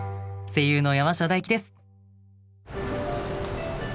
声優の山下大輝です。